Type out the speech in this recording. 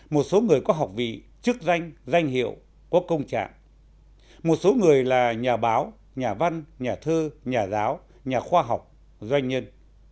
một số người có học vị chức danh danh hiệu có công trạng một số người là nhà báo nhà văn nhà thơ nhà giáo nhà khoa học doanh nhân